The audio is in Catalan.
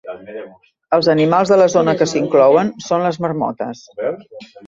Els animals de la zona que s'inclouen són les marmotes.